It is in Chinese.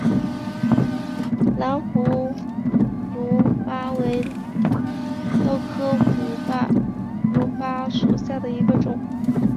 蓝胡卢巴为豆科胡卢巴属下的一个种。